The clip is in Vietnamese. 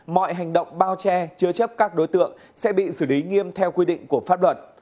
mọi hành động bao che chứa chấp các đối tượng sẽ bị xử lý nghiêm theo quy định của pháp luật